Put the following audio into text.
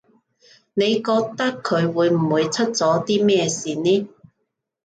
你覺得佢會唔會出咗啲咩事呢